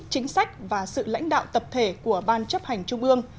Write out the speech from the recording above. chính sách và sự lãnh đạo tập thể của ban chấp hành trung ương